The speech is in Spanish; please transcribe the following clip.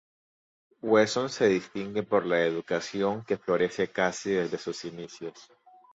Wesson se distingue por la educación que florece casi desde sus inicios.